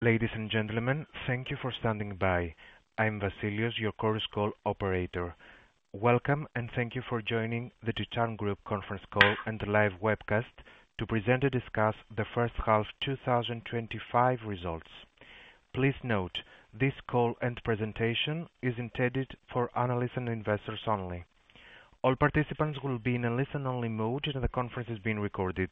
Ladies and gentlemen, thank you for standing by. I am Vasileios, your Chorus Call operator. Welcome and thank you for joining the TITAN Group conference call and live webcast to present and discuss the first half 2025 results. Please note this call and presentation is intended for analysts and investors only. All participants will be in a listen only mode, and the conference is being recorded.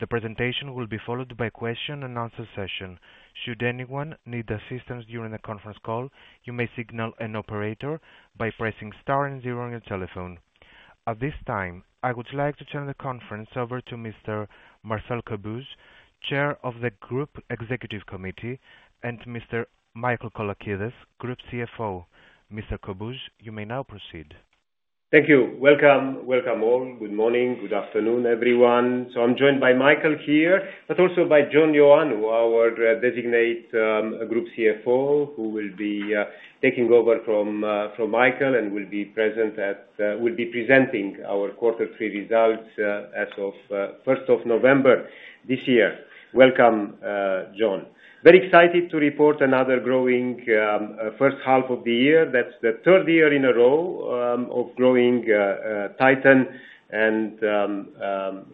The presentation will be followed by a question-and-answer session. Should anyone need assistance during the conference call, you may signal an operator by pressing Star and zero on your telephone. At this time, I would like to turn the conference over to Mr. Marcel Cobuz, Chair of the Group Executive Committee, and Mr. Michael Colakides, Group CFO. Mr. Cobuz, you may now proceed. Thank you. Welcome. Welcome all. Good morning. Good afternoon everyone. I'm joined by Michael here but also by John Ioannou our designate Group CFO who will be taking over from Michael and will be presenting our quarter three results as of November 1st, 2023. Welcome John. Very excited to report another growing first half of the year. That's the third year in a row of growing TITAN.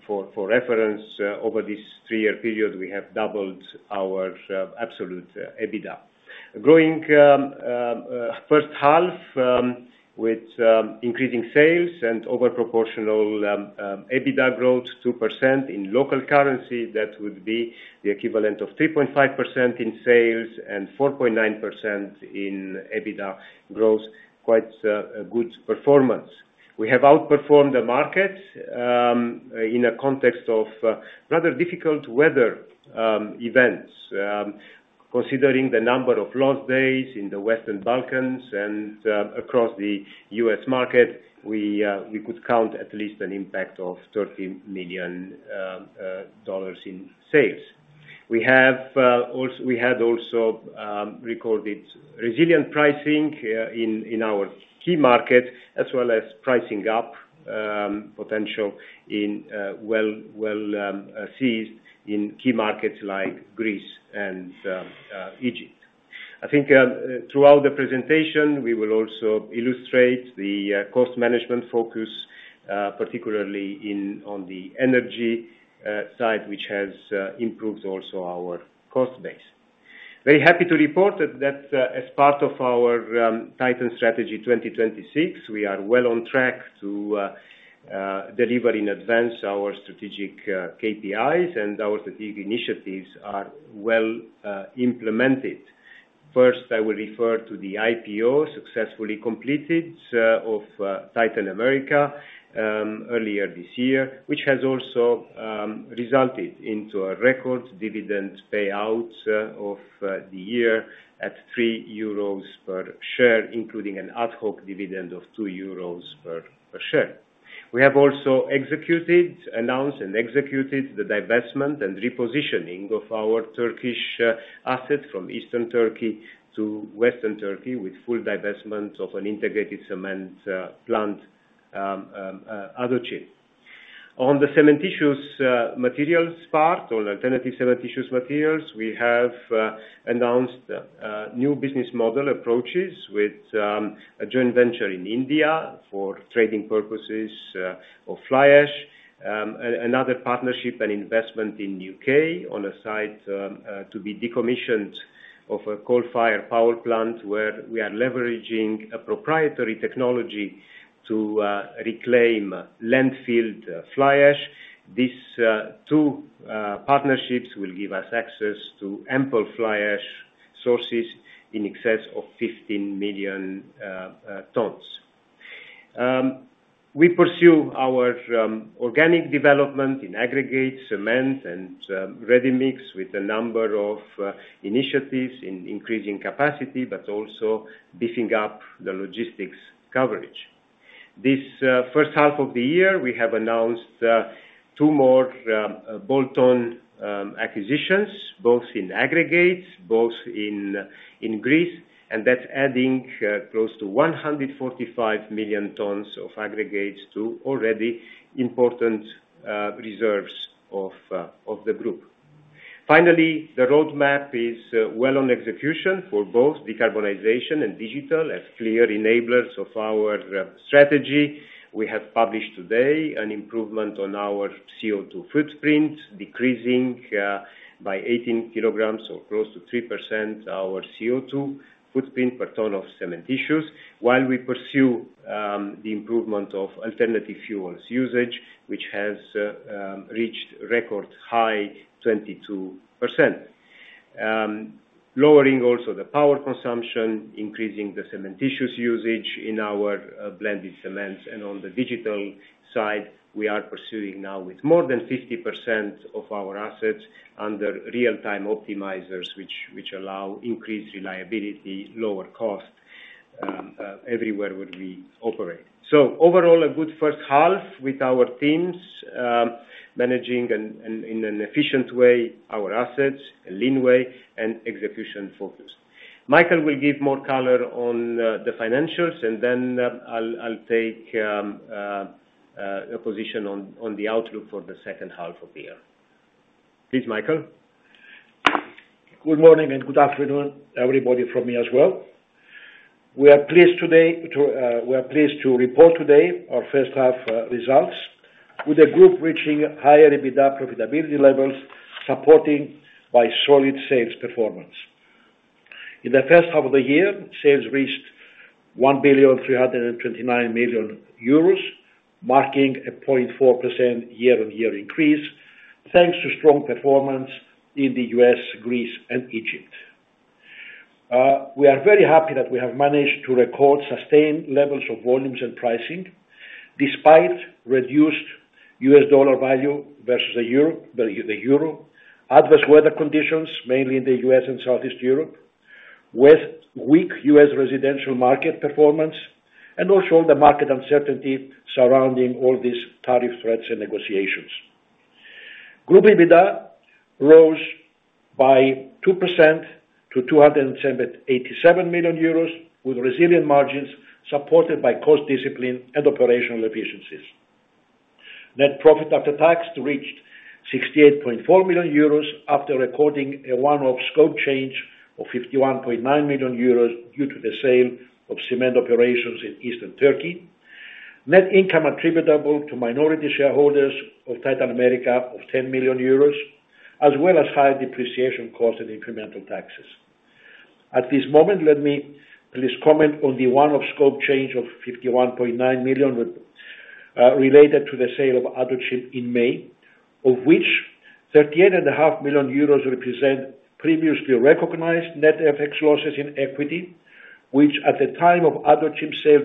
For reference, over this three year period we have doubled our absolute EBITDA, growing first half with increasing sales and over proportional EBITDA growth. 2% in local currency, that would be the equivalent of 3.5% in sales and 4.9% in EBITDA growth. Quite good performance. We have outperformed the market in the context of rather difficult weather events. Considering the number of lost days in the Western Balkans and across the U.S. market, we could count at least an impact of $13 million in sales. We had also recorded resilient pricing in our key market as well as pricing up potential well seized in key markets like Greece and Egypt. I think throughout the presentation we will also illustrate the cost management focus, particularly on the energy side, which has improved also our cost base. Very happy to report that as part of our TITAN 2026 strategy we are well on track to deliver in advance our strategic KPIs and our strategic initiatives are well implemented. First, I will refer to the IPO successfully completed of Titan America earlier this year, which has also resulted in a record dividend payout of the year at 3 euros per share, including an ad hoc dividend of 2 euros per share. We have also executed, announced and executed the divestment and repositioning of our Turkish assets from Eastern Turkey to Western Turkey with full divestment of an integrated cement plant. Other chips on the cementitious materials part, on alternative cementitious materials, we have announced new business model approaches with a joint venture in India for trading purposes of fly ash. Another partnership and investment in the U.K. on a site to be decommissioned of a coal-fired power plant where we are leveraging a proprietary technology to reclaim landfill fly ash. These two partnerships will give us access to ample fly ash sources in excess of 15 million tonnes. We pursue our organic development in aggregate cement and ready mix with a number of initiatives in increasing capacity but also beefing up the logistics coverage. This first half of the year we have announced two more bolt-on acquisitions, both in aggregates, both in Greece, and that's adding close to 145 million tonnes of aggregates to already important reserves of the Group. Finally, the roadmap is well on execution for both decarbonization and digital. As clear enablers of our strategy, we have published today an improvement on our CO2 footprint, decreasing by 18 kg or close to 3% our CO2 footprint per tonne of cement, while we pursue the improvement of alternative fuels usage, which has reached record high 22%, lowering also the power consumption, increasing the cementitious usage in our blended cements. On the digital side, we are pursuing now with more than 50% of our assets under real-time optimizers, which allow increased reliability, lower cost everywhere where we operate. Overall, a good first half with our teams managing in an efficient way, our assets a lean way and execution focus. Michael will give more color on the financials, and then I'll take position on the outlook for the second half of the year. Please, Michael. Good morning and good afternoon everybody from me as well. We are pleased today. We are pleased to report today our first half results with the Group reaching higher EBITDA profitability levels, supported by solid sales performance. In the first half of the year, sales reached 1.329 billion, marking a 0.4% year-on-year increase thanks to strong performance in the U.S., Greece, and Egypt. We are very happy that we have managed to record sustained levels of volumes and pricing despite reduced U.S. dollar value versus the euro, adverse weather conditions mainly in the U.S. and Southeast Europe, with weak U.S. residential market performance, and also the market uncertainty surrounding all these tariff threats and negotiations. Group EBITDA rose by 2% to 287 million euros, with resilient margins supported by cost discipline and operational efficiencies. Net profit after tax reached 68.4 million euros after recording a one-off scope change of 51.9 million euros due to the sale of cement operations in Eastern Turkey. Net income attributable to minority shareholders of Titan America of 10 million euros as well as high depreciation cost and incremental taxes at this moment. Let me please comment on the one-off scope change of 51.9 million related to the sale of Adocim in May, of which 38.5 million euros represent previously recognized net FX losses in equity which, at the time of Adocim sale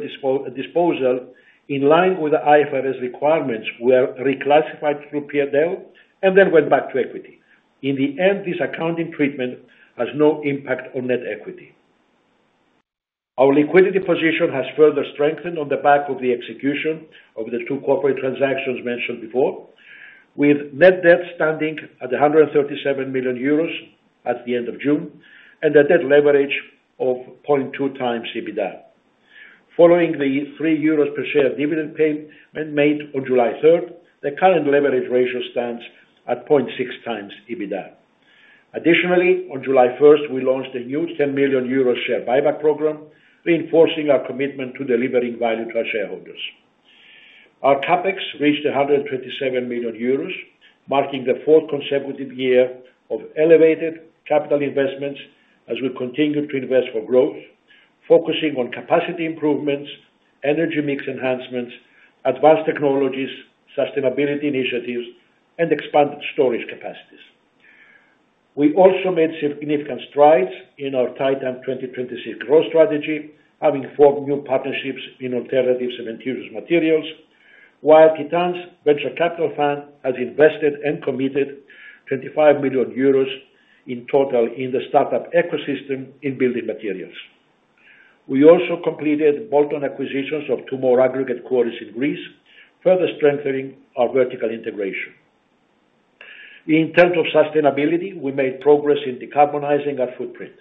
disposal in line with the IFRS requirements, were reclassified through P&L and then went back to equity. In the end, this accounting treatment has no impact on net equity. Our liquidity position has further strengthened on the back of the execution of the two corporate transactions mentioned before, with net debt standing at 137 million euros at the end of June and a debt leverage of 0.2x EBITDA. Following the 3 euros per share dividend payment made on July 3rd, the current leverage ratio stands at 0.6x EBITDA. Additionally, on July 1st we launched a new 10 million euro share buyback program, reinforcing our commitment to delivering value to our shareholders. Our CapEx reached 127 million euros, marking the fourth consecutive year of elevated capital investments as we continue to invest for growth, focusing on capacity improvements, energy mix enhancements, advanced technologies, sustainability initiatives, and expanded storage capacities. We also made significant strides in our TITAN 2026 growth strategy, having formed new partnerships in alternative cement materials, while TITAN's venture capital fund has invested and committed 25 million euros in total in the startup ecosystem in building materials. We also completed bolt-on acquisitions of two more aggregate quarries in Greece, further strengthening our vertical integration. In terms of sustainability, we made progress in decarbonizing our footprint.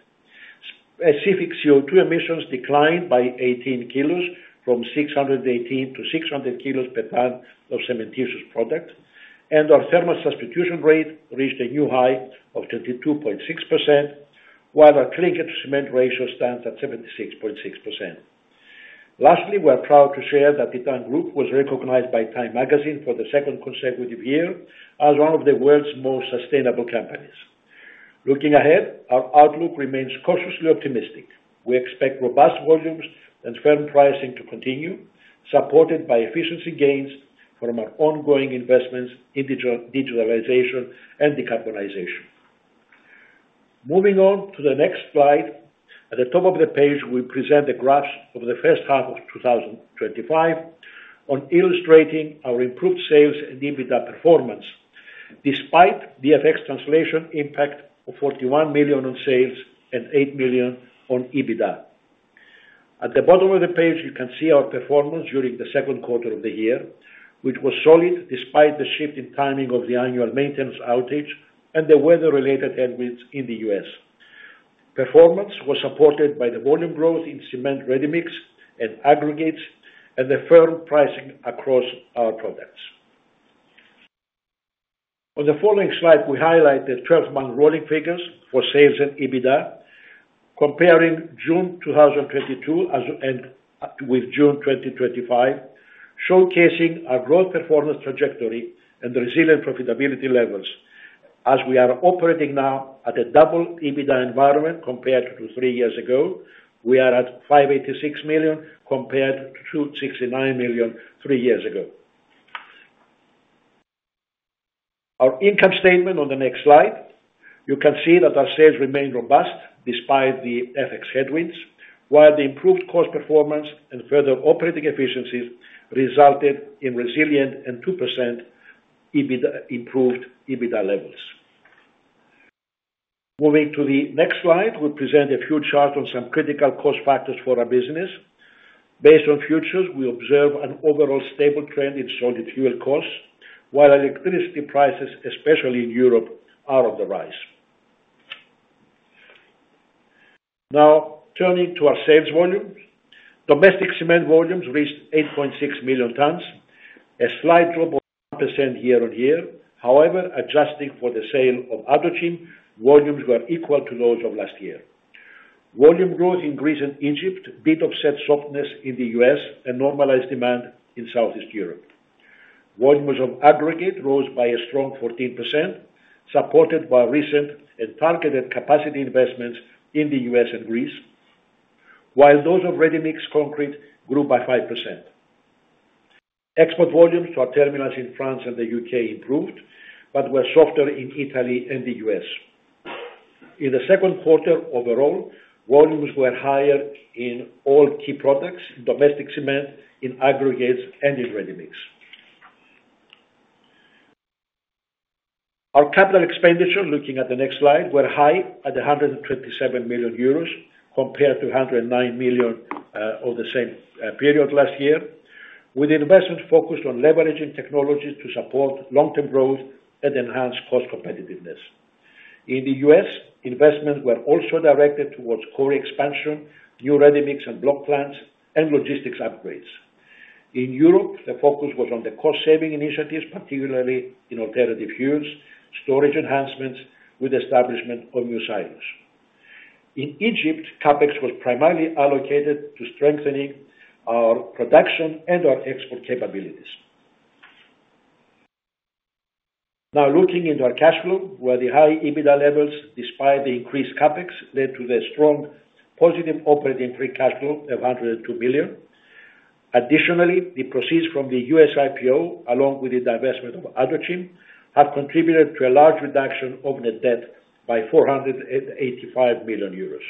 Specific CO2 emissions declined by 18 kg from 618 kg-600 kg per tonne of cementitious product, and our thermal substitution rate reached a new high of 22.6% while our clinker to cement ratio stands at 76.6%. Lastly, we are proud to share that TITAN Group was recognized by Time Magazine for the second consecutive year as one of the world's most sustainable companies. Looking ahead, our outlook remains cautiously optimistic. We expect robust volumes and firm pricing to continue, supported by efficiency gains from our ongoing investments in digitalization and decarbonization. Moving on to the next slide, at the top of the page we present the graphs of the first half of 2025 illustrating our improved sales and EBITDA performance despite FX translation impact of 41 million on sales and 8 million on EBITDA. At the bottom of the page you can see our performance during the second quarter of the year, which was solid despite the shift in timing of the annual maintenance outage and the weather-related headwinds. In the U.S., performance was supported by the volume growth in cement, ready mix, and aggregates, and the firm pricing across our products. On the following slide, we highlight the 12-month rolling figures for sales and EBITDA comparing June 2022 with June 2025, showcasing our growth performance trajectory and resilient profitability levels as we are operating now at a double EBITDA environment compared to three years ago. We are at 586 million compared to 269 million three years ago. Our income statement on the next slide, you can see that our sales remained robust despite the FX headwinds, while the improved cost performance and further operating efficiencies resulted in resilient and 2% improved EBITDA levels. Moving to the next slide, we present a few charts on some critical cost factors for our business. Based on futures, we observe an overall stable trend in solid fuel costs, while electricity prices, especially in Europe, are on the rise. Now turning to our sales volume, domestic cement volumes reached 8.6 million tonnes, a slight drop of 1% year on year. However, adjusting for the sale of hydrogen, volumes were equal to those of last year. Volume growth in Greece and Egypt did offset softness in the U.S. and normalized demand in Southeast Europe. Volumes of aggregates rose by a strong 14% supported by recent and targeted capacity investments in the U.S. and Greece, while those of ready mixed concrete grew by 5%. Export volumes to our terminals in France and the U.K. improved but were softer in Italy and the U.S. In the second quarter, overall volumes were higher in all key products, domestic cement, in aggregates, and in ready mix. Our capital expenditure, looking at the next slide, were high at 127 million euros compared to 109 million of the same period last year, with investment focused on leveraging technologies to support long-term growth and enhanced cost competitiveness. In the U.S., investments were also directed towards core expansion, new ready mix and block plants, and logistics upgrades. In Europe, the focus was on the cost saving initiatives, particularly in alternative fuels storage enhancements. With establishment of new silos in Egypt, CapEx was primarily allocated to strengthening our production and our export capabilities. Now looking into our cash flow, where the high EBITDA levels despite the increased CapEx led to the strong positive operating free cash flow of 102 million. Additionally, the proceeds from the U.S. IPO along with the divestment of Adocim have contributed to a large reduction of net debt by 485 million euros.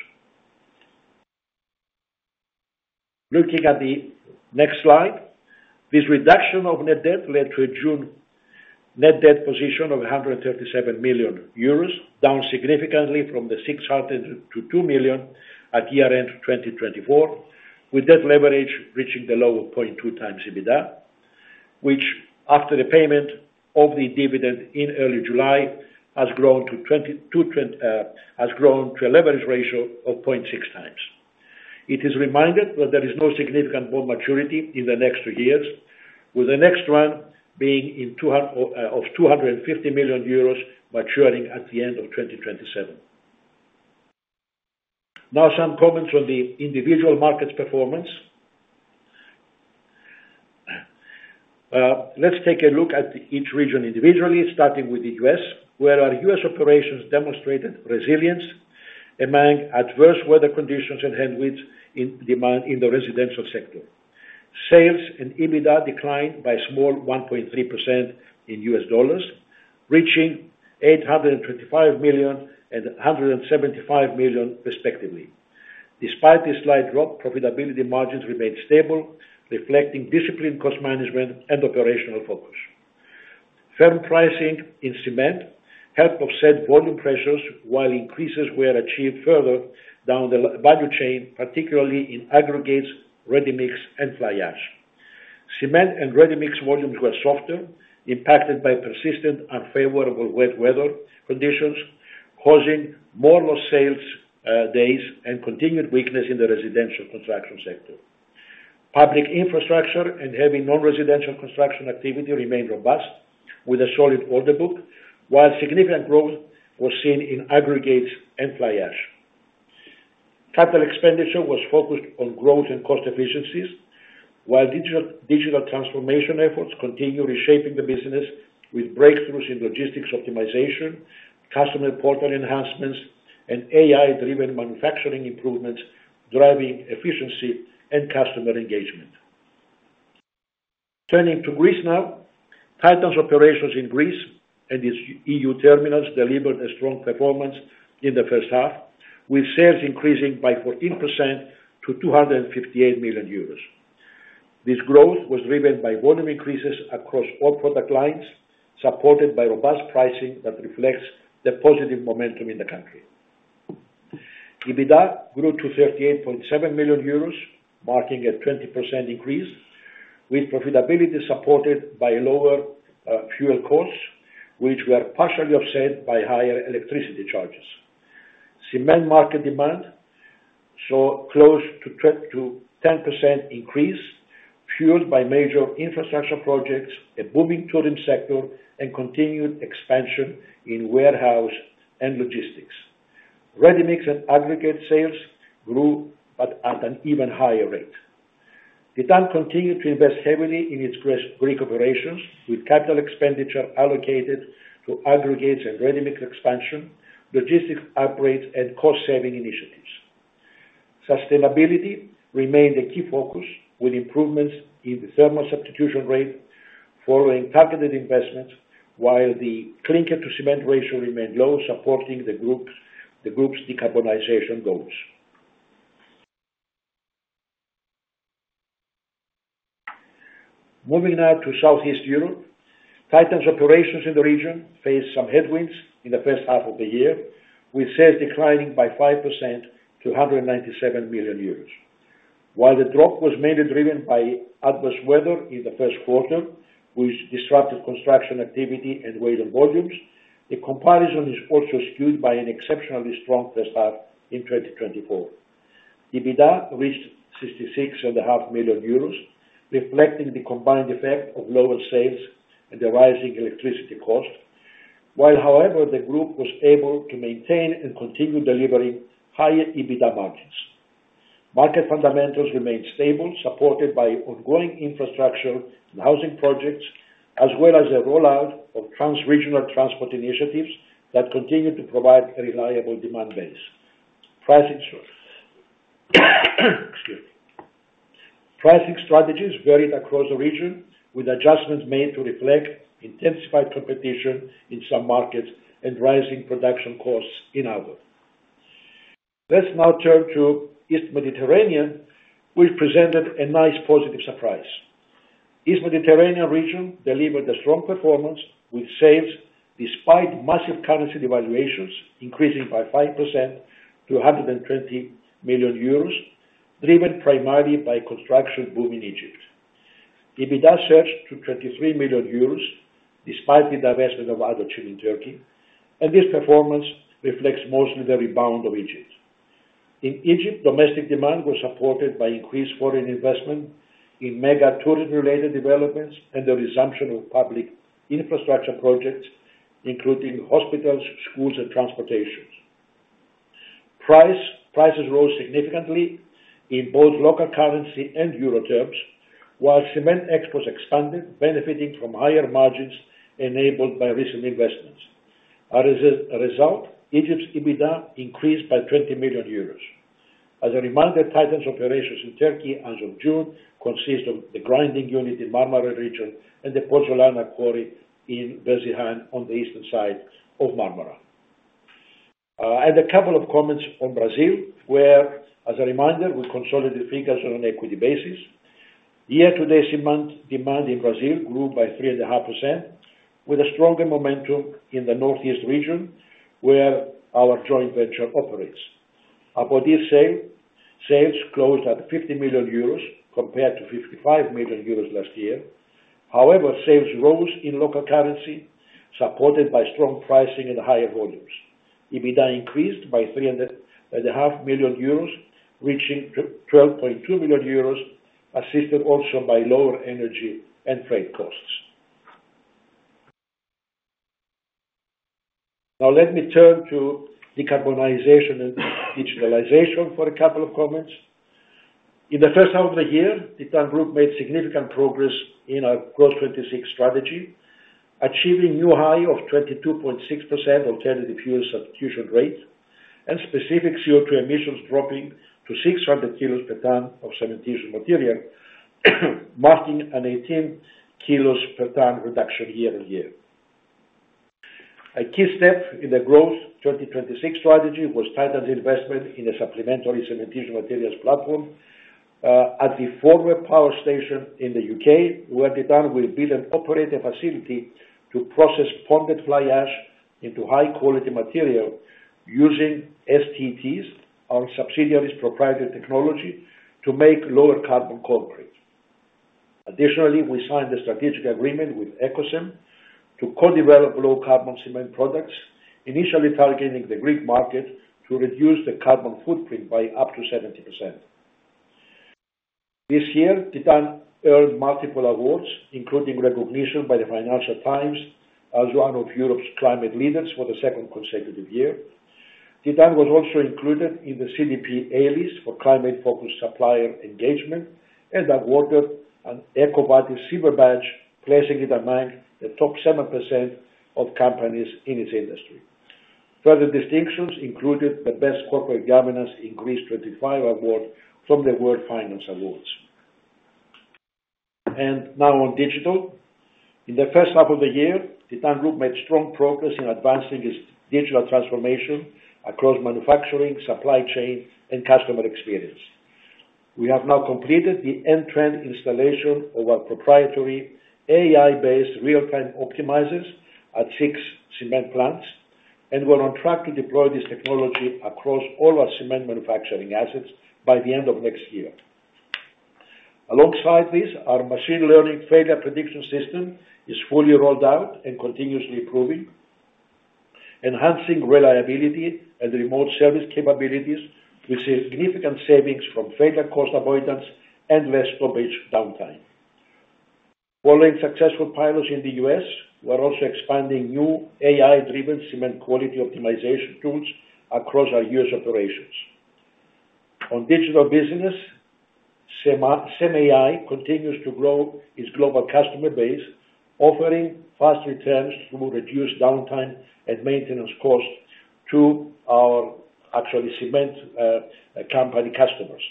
Looking at the next slide, this reduction of net debt led to a June net debt position of 137 million euros, down significantly from the 602 million at year end 2024, with debt leverage reaching the low of 0.2x. EBITDA, which after the payment of the dividend in early July has grown to 22, has grown to a leverage ratio of 0.6x. It is reminded that there is no significant bond maturity in the next two years, with the next one being of 250 million euros maturing at the end of 2027. Now some comments on the individual markets performance. Let's take a look at each region individually, starting with the U.S., where our U.S. operations demonstrated resilience among adverse weather conditions and headwinds. In the residential sector, sales and EBITDA declined by a small 1.3% in U.S. dollars, reaching $825 million and $175 million respectively. Despite this slight drop, profitability margins remain stable, reflecting disciplined cost management and operational focus. Firm pricing in cement helped offset volume pressures, while increases were achieved further down the value chain, particularly in aggregates, ready mix, and fly ash. Cement and ready mix volumes were softer, impacted by persistent unfavorable wet weather conditions causing more lost sales days and continued weakness in the residential construction sector. Public infrastructure and heavy non-residential construction activity remained robust with a solid order book, while significant growth was seen in aggregates and fly ash. Capital expenditure was focused on growth and cost efficiencies, while digital transformation efforts continue reshaping the business with breakthroughs in logistics optimization, customer portal enhancements, and AI-driven manufacturing improvements driving efficiency and customer engagement. Turning to Greece now, TITAN's operations in Greece and its EU terminals delivered a strong performance in the first half, with sales increasing by 14% to 258 million euros. This growth was driven by volume increases across all product lines, supported by robust pricing that reflects the positive momentum in the country. EBITDA grew to 38.7 million euros, marking a 20% increase, with profitability supported by lower fuel costs, which were partially offset by higher electricity charges. Cement market demand saw close to 10% increase, fueled by major infrastructure projects, a booming tourism sector, and continued expansion in warehouse and logistics. Ready mix and aggregate sales grew but at an even higher rate. TITAN continued to invest heavily in its Greek operations, with capital expenditure allocated to aggregates and ready mix expansion, logistics upgrades, and cost-saving initiatives. Sustainability remained a key focus, with improvements in the thermal substitution rate following targeted investments, while the clinker to cement ratio remained low, supporting the Group's decarbonization goals. Moving now to Southeast Europe, TITAN's operations in the region faced some headwinds in the first half of the year, with sales declining by 5% to 197 million euros. While the drop was mainly driven by adverse weather in the first quarter, which disrupted construction activity and weighed on volumes, the comparison is also skewed by an exceptionally strong first half. In 2024, EBITDA reached 66.5 million euros, reflecting the combined effect of lower sales and the rising electricity cost. However, the Group was able to maintain and continue delivering higher EBITDA margins. Market fundamentals remained stable, supported by ongoing infrastructure and housing projects as well as the rollout of trans-regional transport initiatives that continue to provide a reliable demand base. Pricing strategies varied across the region, with adjustments made to reflect intensified competition in some markets and rising production costs in others. Let's now turn to East Mediterranean, which presented a nice positive surprise. East Mediterranean region delivered a strong performance with sales, despite massive currency devaluations, increasing by 5% to 120 million euros, driven primarily by the construction boom in Egypt. EBITDA surged to 23 million euros despite the divestment of Antioch in Turkey, and this performance reflects mostly the rebound of Egypt. In Egypt, domestic demand was supported by increased foreign investment in mega tourism-related developments and the resumption of public infrastructure projects, including hospitals, schools, and transportation. Prices rose significantly in both local currency and euro terms, while cement exports expanded, benefiting from higher margins enabled by recent investments. As a result, Egypt's EBITDA increased by 20 million euros. As a reminder, TITAN's operations in Turkey as of June consist of the grinding unit in Marmara region and the Pozzolana quarry in Bezih on the eastern side of Marmara. A couple of comments on Brazil, where as a reminder, we consolidate figures on an equity basis. Year-to-date, cement demand in Brazil grew by 3.5%, with a stronger momentum in the Northeast region where our joint venture operates. Sales closed at 50 million euros compared to 55 million euros last year. However, sales rose in local currency, supported by strong pricing and higher volumes. EBITDA increased by 3.5 million euros, reaching 12.2 million euros, assisted also by lower energy and freight costs. Now let me turn to decarbonization and digitalization for a couple of comments. In the first half of the year, TITAN Group made significant progress in our TITAN 2026 strategy, achieving a new high of 22.6% alternative fuel substitution rate and specific CO2 emissions dropping to 600 kg per tonne of cementitious material, marking an 18 kg per tonne reduction year on year. A key step in the TITAN 2026 strategy was TITAN's investment in a supplementary cementitious materials platform at the former power station in the U.K., where TITAN will build an operating facility to process ponded fly ash into high quality material using STTS, our subsidiary's proprietary technology to make lower carbon concrete. Additionally, we signed a strategic agreement with Ecosym to co-develop low carbon cement products initially targeting the Greek market to reduce the carbon footprint by up to 70%. This year TITAN earned multiple awards, including recognition by the Financial Times as one of Europe's climate leaders. For the second consecutive year, TITAN was also included in the CDP A-List for Climate Focused Supplier Engagement and awarded an EcoVadis Silver Badge, placing it among the top 7% of companies in its industry. Further distinctions included the Best Corporate Governance in Greece 25 Award from the World Finance Awards. Now, on digital, in the first half of the year TITAN Group made strong progress in advancing its digital transformation across manufacturing, supply chain, and customer experience. We have now completed the end-to-end installation of our proprietary AI-based real time optimizers at six cement plants, and we're on track to deploy this technology across all our cement manufacturing assets by the end of next year. Alongside this, our machine learning failure prediction system is fully rolled out and continuously improving, enhancing reliability and remote service capabilities with significant savings from failure cost avoidance and less stoppage downtime. Following successful pilots in the U.S., we're also expanding new AI-driven cement quality optimization tools across our U.S. operations. On digital business, GenAI continues to grow its global customer base, offering fast returns through reduced downtime and maintenance cost to our actual cement company customers.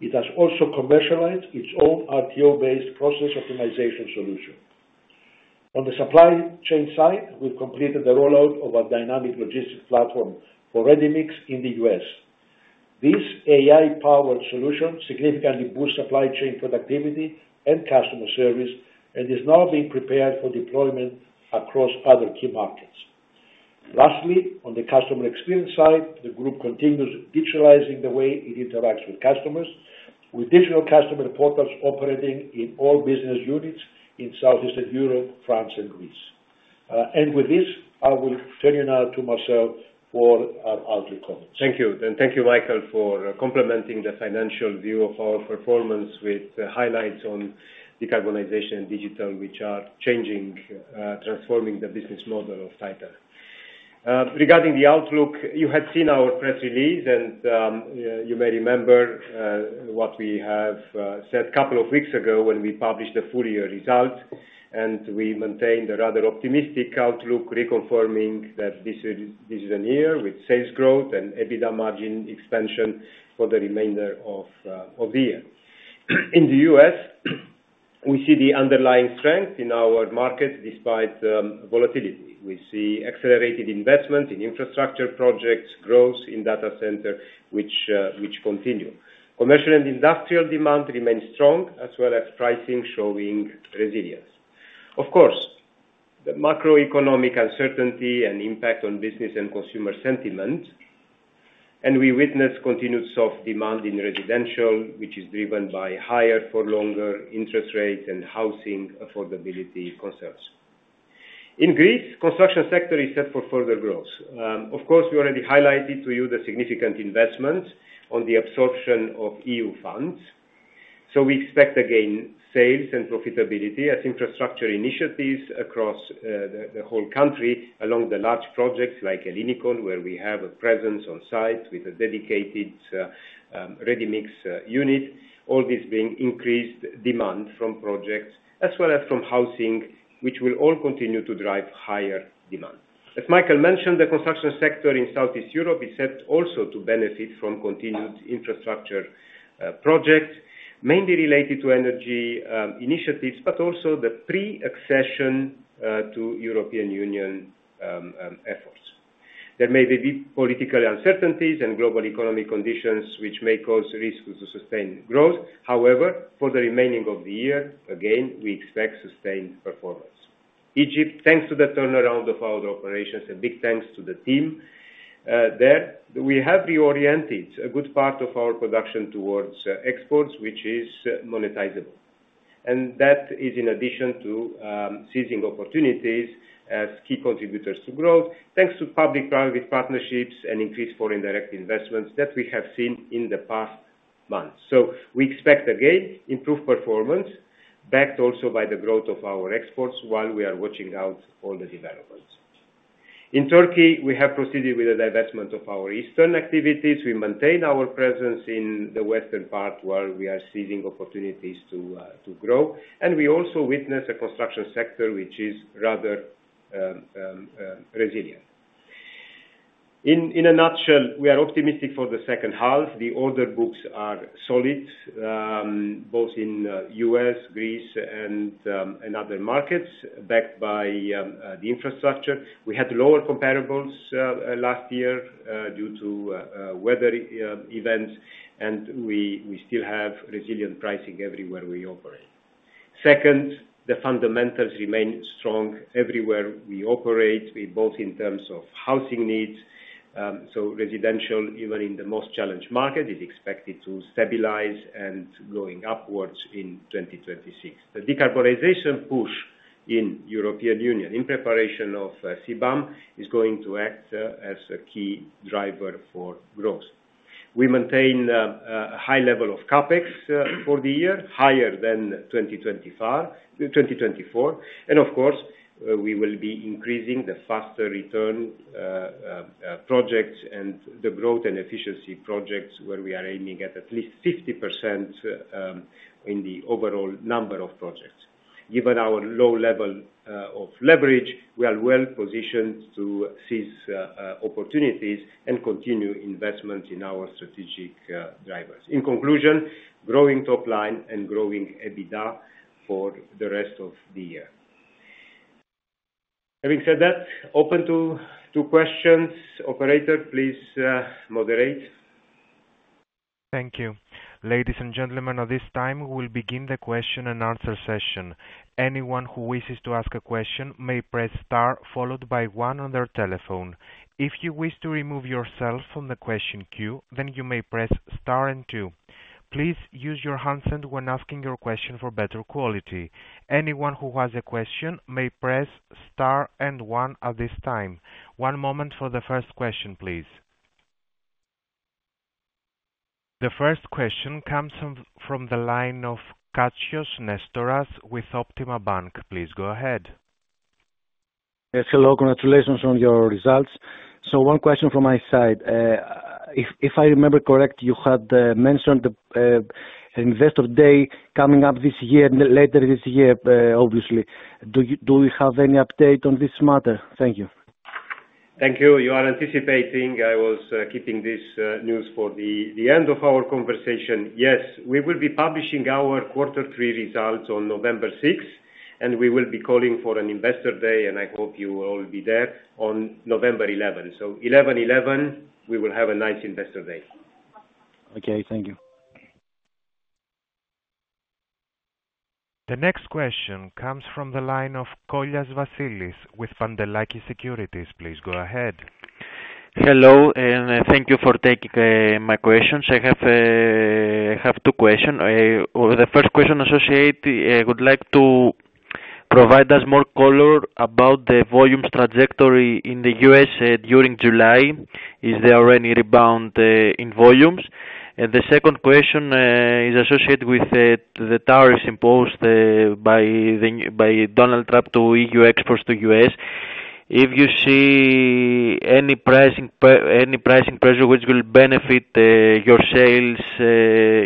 It has also commercialized its own RTO-based process optimization solution. On the supply chain side, we've completed the rollout of a dynamic logistics platform for Ready Mix in the U.S. This AI-powered solution significantly boosts supply chain productivity and customer service and is now being prepared for deployment across other key markets. Lastly, on the customer experience side, the Group continues digitalizing the way it interacts with customers, with digital customer portals operating in all business units in Southeast Europe, France, and Greece. With this, I will turn you now to Marcel for our outlook comments. Thank you and thank you Michael for complementing the financial view of our performance with highlights on decarbonization and digital which are changing, transforming the business model of TITAN. Regarding the outlook, you had seen our press release and you may remember what we have said a couple of weeks ago when we published the full year results and we maintained a rather optimistic outlook, reconfirming that this is a year with sales growth and EBITDA margin expansion for the remainder of the year. In the U.S. we see the underlying strength in our markets despite volatility. We see accelerated investment in infrastructure projects, growth in data center which continue. Commercial and industrial demand remain strong as well as pricing showing resilience. Of course, the macroeconomic uncertainty and impact on business and consumer sentiment. We witness continued soft demand in residential which is driven by higher for longer interest rates and housing affordability concerns. In Greece, construction sector is set for further growth. Of course, we already highlighted to you the significant investments on the absorption of EU funds. We expect again sales and profitability as infrastructure initiatives across the whole country along the large projects like Helinicon where we have a presence on site with a dedicated ready mix unit. All this being increased demand from projects as well as from housing which will all continue to drive higher demand. As Michael mentioned, the construction sector in Southeast Europe is set also to benefit from continued infrastructure projects mainly related to energy initiatives, but also the pre-accession to European Union efforts. There may be political uncertainties and global economic conditions which may cause risk to sustain growth. However, for the remaining of the year again we expect sustained performance. Egypt, thanks to the turnaround of our operations, a big thanks to the team there. We have reoriented a good part of our production towards exports which is monetizable and that is in addition to seizing opportunities as key contributors to growth, thanks to public private partnerships and increased foreign direct investments that we have seen in the past months. We expect again improved performance backed also by the growth of our exports. While we are watching out all the developments in Turkey, we have proceeded with the divestment of our eastern activities. We maintain our presence in the western part where we are seizing opportunities to grow. We also witness a construction sector which is rather resilient. In a nutshell, we are optimistic for the second half. The order books are solid both in the U.S., Greece, and other markets backed by the infrastructure. We had lower comparables last year due to weather events, and we still have resilient pricing everywhere we operate. The fundamentals remain strong everywhere we operate, both in terms of housing needs. Residential, even in the most challenged market, is expected to stabilize and go upwards in 2026. The decarbonization push in the European Union in preparation of CBAM is going to act as a key driver for growth. We maintain a high level of CapEx for the year, higher than 2025, 2024, and of course we will be increasing the faster return projects and the growth and efficiency projects where we are aiming at least 50% in the overall number of projects. Given our low level of leverage, we are well positioned to seize opportunities and continue investment in our strategic drivers. In conclusion, growing top line and growing EBITDA for the rest of the year. Having said that, open to questions. Operator, please moderate. Thank you, ladies and gentlemen. At this time, we will begin the question-and-answer session. Anyone who wishes to ask a question may press star followed by one on their telephone. If you wish to remove yourself from the question queue, you may press star and two. Please use your handset when asking your question for better quality. Anyone who has a question may press Star and one at this time. One moment for the first question, please. The first question comes from the line of Katsios Nestoras with Optima Bank. Please go ahead. Yes, hello. Congratulations on your results. One question from my side. If I remember correct, you had mentioned the investor day coming up this year, later this year, obviously. Do you have any update on this matter? Thank you. Thank you. You are anticipating. I was keeping this news for the end of our conversation. Yes, we will be publishing our quarter three results on November 6 and we will be calling for an investor day. I hope you will all be there on November 11. So, 11 11, we will have a nice investor day. Okay, thank you. The next question comes from the line of Kollias Vasilis with Pantelakis Securities. Please go ahead, Hello and thank you for taking my questions. I have two questions. The first question, I would like you to provide us more color about the volumes trajectory in the U.S. during July. Is there already a rebound in volumes? The second question is associated with the tariffs imposed by Donald Trump to EU exports to the U.S. If you see any pricing pressure which will benefit your sales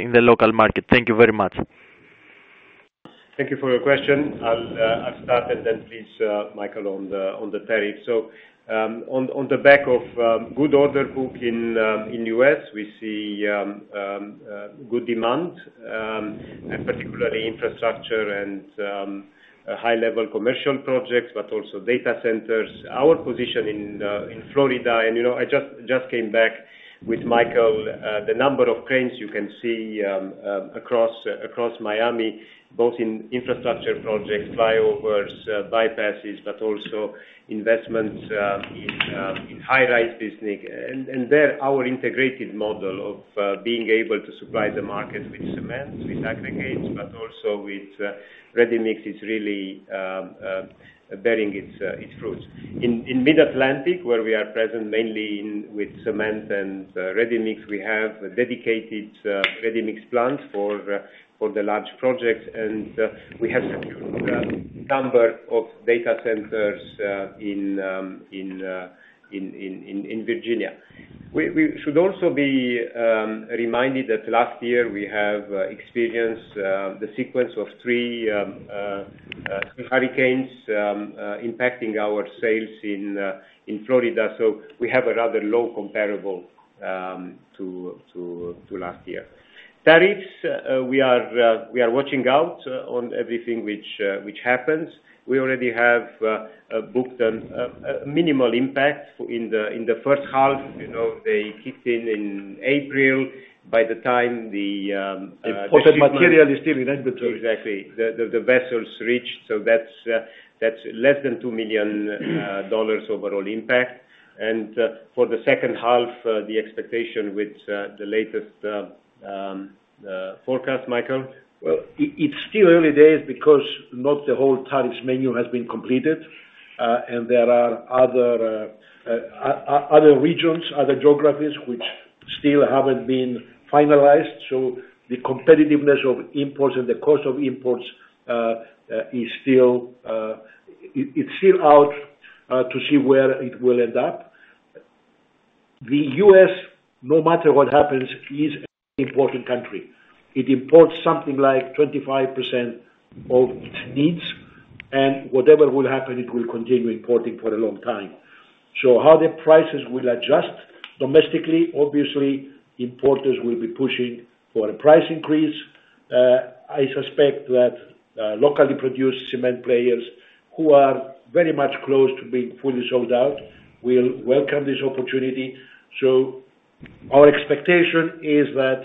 in the local market. Thank you very much. Thank you for your question. I'll start and then please, Michael, on the tariff. On the back of a good order book in the U.S., we see good demand, particularly in infrastructure and high-level commercial projects, but also data centers. Our position in, and you know, I just came back with Michael, the number of cranes you can see across Miami, both in infrastructure projects, flyovers, bypasses, but also investments in high-rise business. There, our integrated model of being able to supply the market with cement, with aggregates, but also with ready mix, is really bearing its fruits. In Mid-Atlantic, where we are present mainly with cement and ready mix, we have dedicated ready mix plants for the large projects, and we have secured a number of data centers in Virginia. We should also be reminded that last year we experienced the sequence of three hurricanes impacting our sales in Florida, so we have a rather low comparable to last year. Tariffs, we are watching out on everything which happens. We already have booked a minimal impact in the first half. They kicked in April. By the time the imported material is still in, exactly, the vessels reached, so that's less than $2 million overall impact. For the second half, the expectation with the latest forecast, Michael? It is still early days because not the whole tariffs menu has been completed and there are other regions, other geographies which still haven't been finalized. The competitiveness of imports and the cost of imports is still out to see where it will end up. The U.S., no matter what happens, is an important country. It imports something like 25% of its needs and whatever will happen it will continue importing for a long time. How the prices will adjust domestically? Obviously, importers will be pushing for a price increase. I suspect that locally produced cement players who are very much close to being fully sold out will welcome this opportunity. Our expectation is that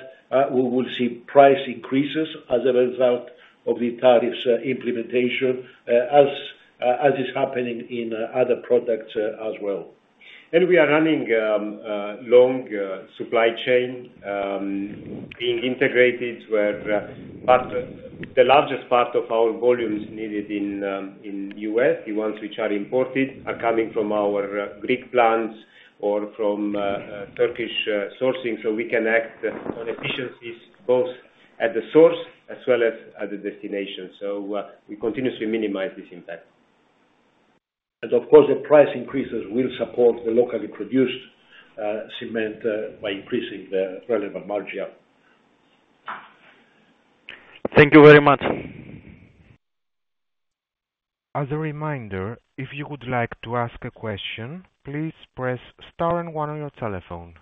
we will see price increases as a result of the tariffs implementation as is happening in other products as well. We are running a long supply chain being integrated where the largest part of our volumes needed in the U.S., the ones which are imported, are coming from our Greek plants or from Turkish sourcing. We can act on efficiency both at the source as well as at the destination. We continuously minimize this impact, and of course the price increases will support the locally produced cement by increasing the relevant margin. Thank you very much. As a reminder, if you would like to ask a question, please press star and one on your telephone.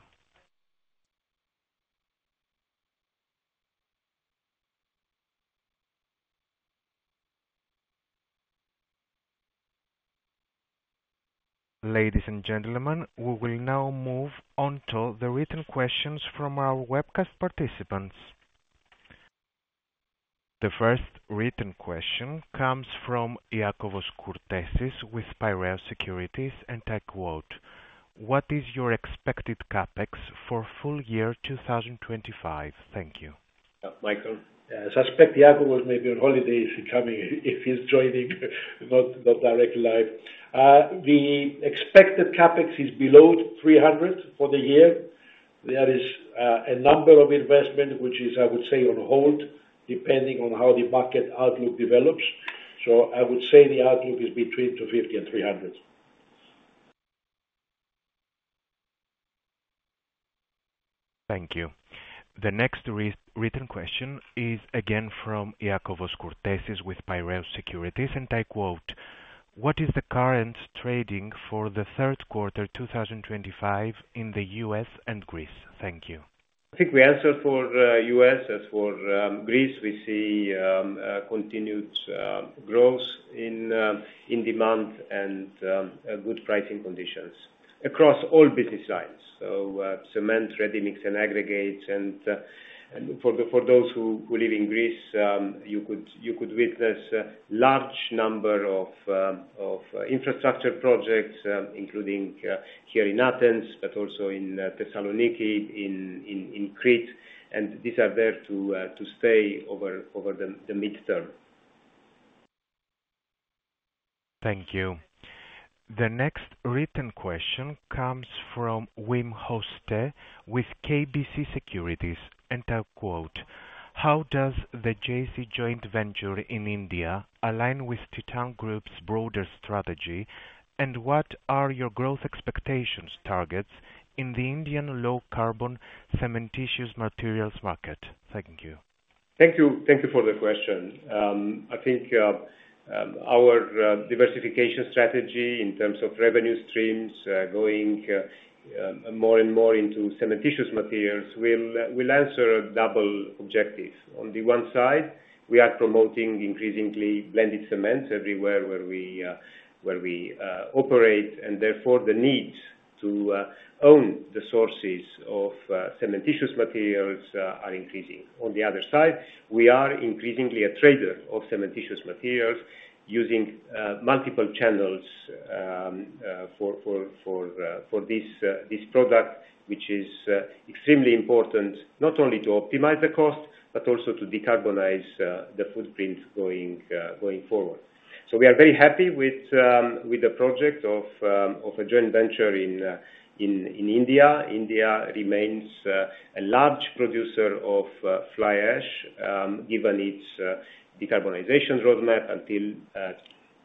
Ladies and gentlemen, we will now move on to the written questions from our webcast participants. The first written question comes from IIakovos Kourtesis with Piraeus Securities, and I quote, what is your expected CapEx for full year 2025? Thank you, Michael. Suspect the audio was maybe on holiday if he's joining not directly live. The expected CapEx is below $300 million for the year. There is a number of investments which is, I would say, on hold depending on how the market outlook develops. I would say the outlook is between $250 million and $300 million. Thank you. The next written question is again from IIakovos Kourtesis with Piraeus Securities, and I quote: What is the current trading for the third quarter 2025 in the U.S. and Greece? Thank you. I think we answered for us. As for Greece, we see continued growth in demand and good pricing conditions across all business lines: cement, ready mix, and aggregates. For those who live in Greece, you could witness a large number of infrastructure projects, including here in Athens, but also in Thessaloniki and in Crete. These are there to over the midterm. Thank you. The next written question comes from Wim Hoste with KBC Securities, and I quote, how does the JC joint venture in India align with TITAN Group's broader strategy, and what are your growth expectations targets in the Indian low carbon cementitious materials market? Thank you. Thank you for the question. I think our diversification strategy in terms of revenue streams going more and more into cementitious materials will answer a double objective. On the one side, we are promoting increasingly blended cements everywhere where we operate, and therefore the needs to own the sources of cementitious materials are increasing. On the other side, we are increasingly a trader of cementitious materials using multiple channels for this product, which is extremely important not only to optimize the cost but also to decarbonize the footprint going forward. We are very happy with the project of a joint venture in India. India remains a large producer of fly ash given its decarbonization roadmap until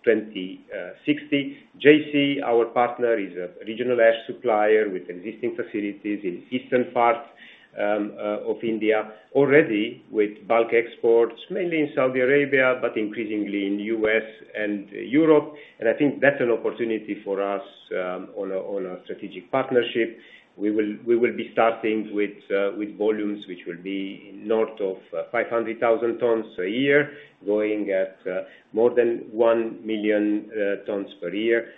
2060. JC, our partner, is a regional ash supplier with existing facilities in the eastern part of India already with bulk exports mainly in Saudi Arabia, but increasingly in the U.S. and Europe. I think that's an opportunity for us on a strategic partnership. We will be starting with volumes which will be north of 500,000 tonnes a year, going at more than 1 million tonnes per year.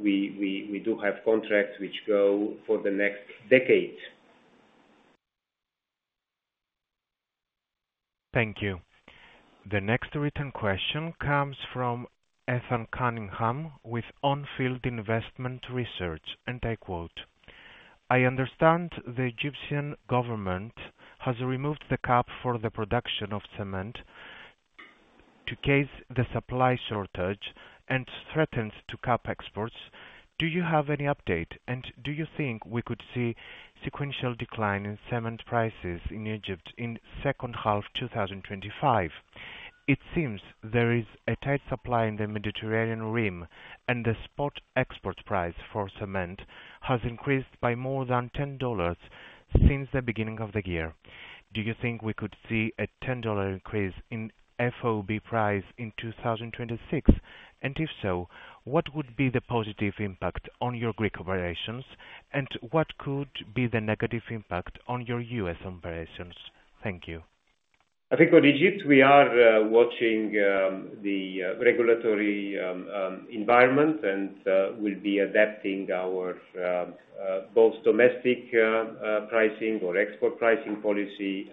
We do have contracts which go for the next decade. Thank you. The next written question comes from Ethan Cunningham with On Field Investment Research. I understand the Egyptian government has removed the cap for the production of cement to ease the supply shortage and threatens to cap exports. Do you have any update and do you think we could see sequential decline in cement prices in Egypt in the second half of 2025? It seems there is a tight supply in the Mediterranean Rim and the spot export price for cement has increased by more than $10 since the beginning of the year. Do you think we could see a $10 increase in FOB price in 2026? If so, what would be the positive impact on your Greek operations and what could be the negative impact on your U.S. operations? Thank you. I think for digits we are watching the regulatory environment and will be adapting our both domestic pricing or export pricing policy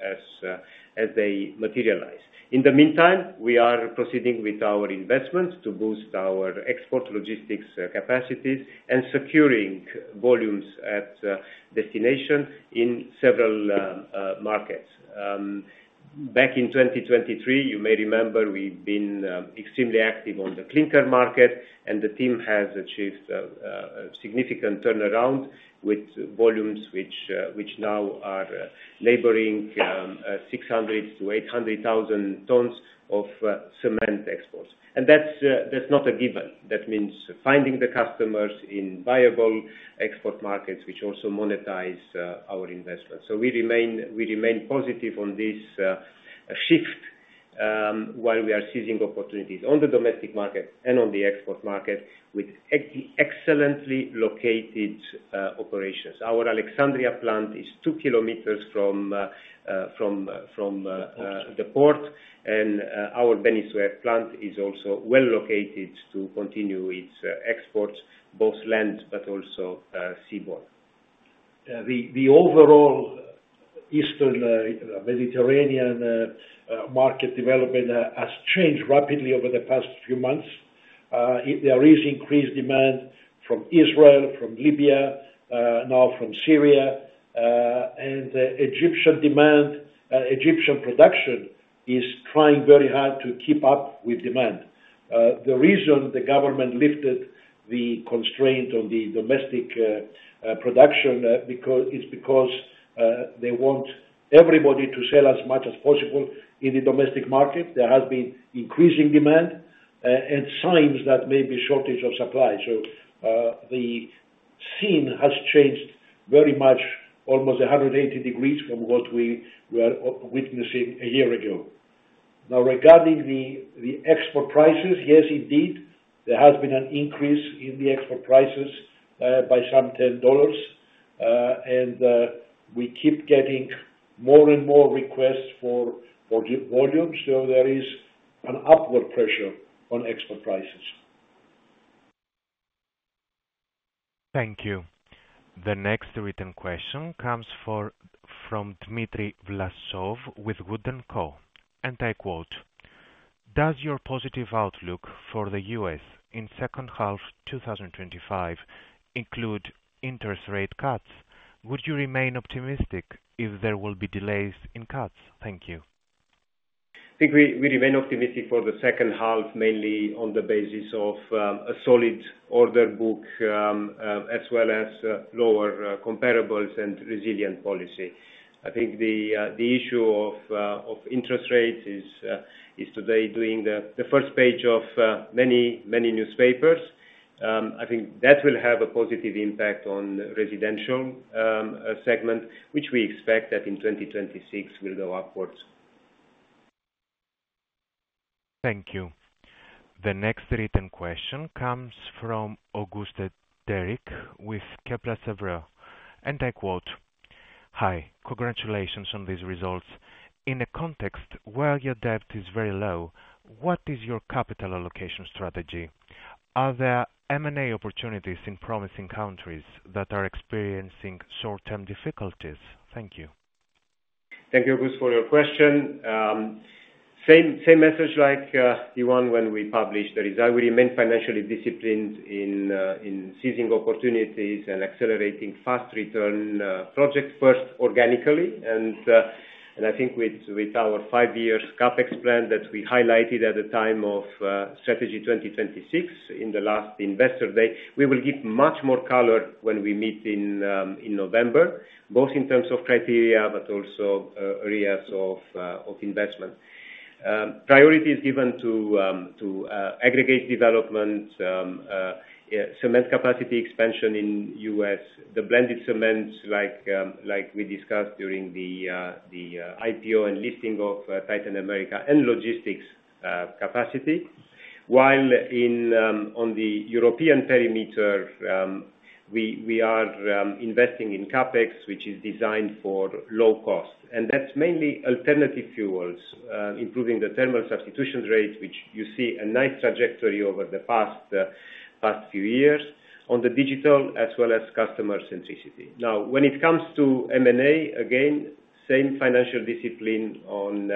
as they materialize. In the meantime, we are proceeding with our investments to boost our export logistics capacities and securing volumes at destination in several markets. Back in 2023, you may remember we've been extremely active on the clinker market and the team has achieved significant turnaround with volumes which now are laboring 600-800,000 tonnes of cement export and that's not a given. That means finding the customers in viable export markets which also monetize our investments. We remain positive on this shift while we are seizing opportunities on the domestic market and on the export market with excellently located operations. Our Alexandria plant is 2 km from the port and our Venezuela plant is also well located to continue its exports, both land but also seaborne. The overall eastern Mediterranean market development has changed rapidly over the past few months. There is increased demand from Israel, from Libya, now from Syria and Egyptian demand. Egyptian production is trying very hard to keep up with demand. The reason the government lifted the constraint on the domestic production is because they want everybody to sell as much as possible. In the domestic market there has been increasing demand and signs that there may be a shortage of supply. The scene has changed very much, almost 180 degrees from what we were witnessing a year ago. Now regarding the export prices, yes indeed, there has been an increase in the export prices by some $10 and we keep getting more and more requests for volumes. There is an upward pressure on export prices. Thank you. The next written question comes from Dmitry Vlasov with WOOD & Co. and I quote, does your positive outlook for the U.S. in the second half of 2025 include interest rate cuts? Would you remain optimistic if there will be delays in cuts? Thank you. I think we remain optimistic for the second half mainly on the basis of a solid order book, as well as lower comparables and resilient policy. I think the issue of interest rates is today doing the first page of many, many newspapers. I think that will have a positive impact on the residential segment, which we expect that in 2026 will go upwards. Thank you. The next written question comes from Auguste Deryckx with Kepler Cheuvreux and I. Hi, congratulations on these results. In a context where your debt is very low, what is your capital allocation strategy? Are there M&A opportunities in promising countries that are experiencing short term difficulties? Thank you. Thank you, August, for your question. Same message like the one when we published the result. We remain financially disciplined in seizing opportunities and accelerating fast return projects, first organically, and I think with our five-year CapEx plan that we highlighted at the time of TITAN 2026 strategy in the last investor day, we will give much more color when we meet in November, both in terms of criteria but also areas of investment priorities given to aggregates development, cement capacity expansion in the U.S., the blended cements like we discussed during the IPO and listing of Titan America, and logistics capacity. While on the European perimeter, we are investing in CapEx which is designed for low cost, and that's mainly alternative fuels improving the thermal substitution rate, which you see a nice trajectory over the past few years, on the digital as well as customer centricity. Now, when it comes to M&A, again, same financial discipline on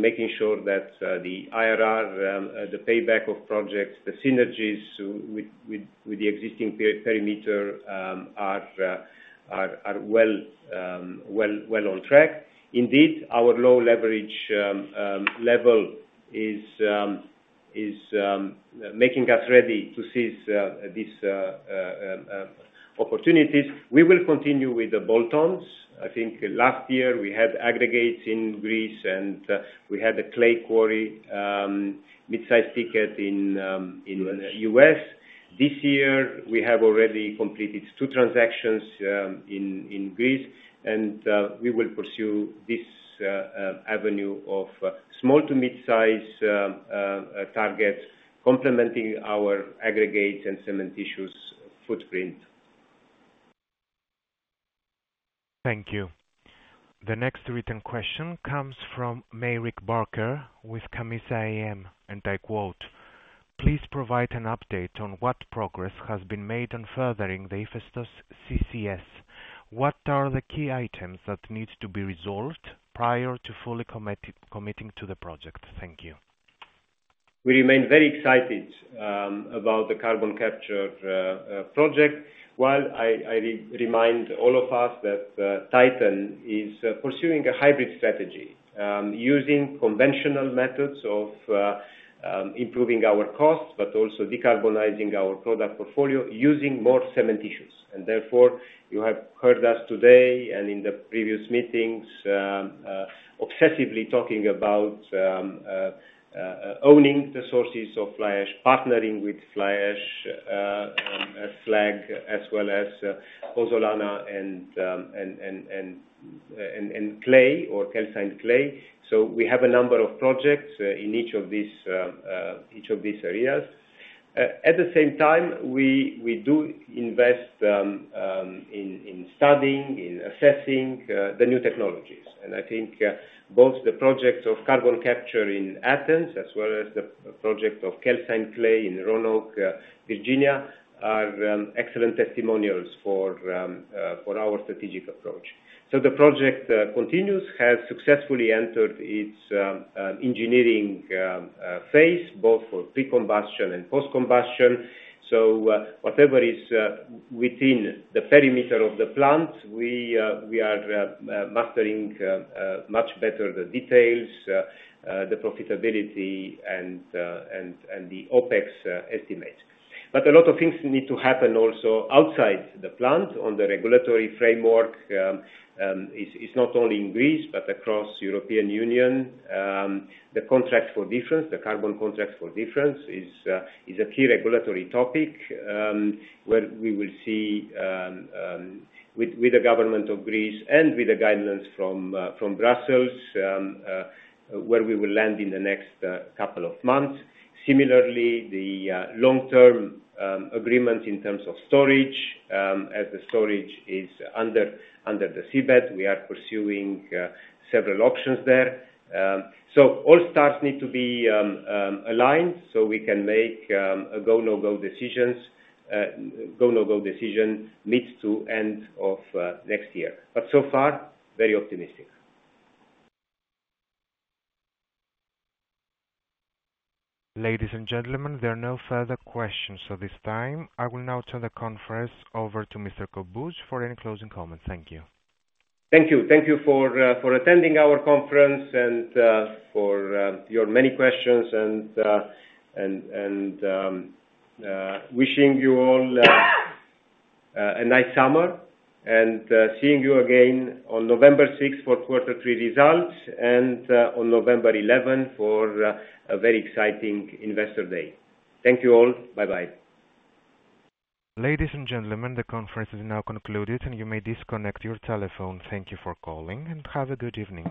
making sure that the IRR, the payback of the projects, the synergies with the existing perimeter are well on track. Indeed, our low leverage level is making us ready to seize these opportunities. We will continue with the bolt-ons, I think. Last year, we had aggregates in Greece, and we had the clay quarry mid-sized ticket in the U.S. This year, we have already completed two transactions in Greece, and we will pursue this avenue of small to mid-size targets complementing our aggregates and cement issues footprint. Thank you. The next written question comes from Mayrik Barker with CAMMESA. Please provide an update on what progress has been made on furthering the IFESTOS CCS project. What are the key items that need to be resolved prior to fully committing to the project? Thank you. We remain very excited about the carbon capture project. I remind all of us that TITAN is pursuing a hybrid strategy using conventional methods of improving our costs, but also decarbonizing our product portfolio using more cement issues. Therefore, you have heard us today and in the previous meetings obsessively talking about owning the sources of fly ash, partnering with fly ash suppliers as well as pozzolana and clay or calcined clay. We have a number of projects in each of these areas. At the same time, we do invest in studying and assessing the new technologies, and I think both the projects of carbon capture in Athens as well as the project of calcined clay in Roanoke, Virginia are excellent testimonials for our strategic approach. The project has successfully entered its engineering phase both for pre-combustion and post-combustion. Whatever is within the perimeter of the plant, we are mastering much better the details, the profitability, and the OPEX estimates. A lot of things need to happen also outside the plant on the regulatory framework. It's not only in Greece but across the European Union.The contract for difference, the carbon contracts for difference, is a key regulatory topic where we will see with the government of Greece and with the guidelines from Brussels where we will land in the next couple of months. Similarly, the long-term agreements in terms of storage, as the storage is under the seabed, we are pursuing several options there. All stars need to be aligned so we can make a go/no-go decision. This go/no-go decision leads to end of next year, but so far very optimistic. Ladies and gentlemen, there are no further questions. At this time I will now turn the conference over to Mr. Cobuz for any closing comments. Thank you. Thank you. Thank you for attending our conference and for your many questions. Wishing you all a nice summer and seeing you again on November 6th for quarter three results and on November 11th for a very exciting investor day. Thank you all. Bye bye. Ladies and gentlemen, the conference is now concluded and you may disconnect your telephone. Thank you for calling and have a good evening.